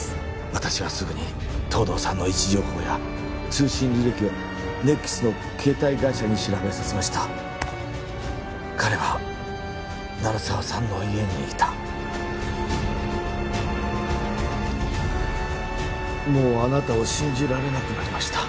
私はすぐに東堂さんの位置情報や通信履歴を ＮＥＸ の携帯会社に調べさせました彼は鳴沢さんの家にいたもうあなたを信じられなくなりました